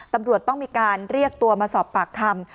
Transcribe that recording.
ตำรวจต้องมีการเรียกตัวมาสอบปากคำ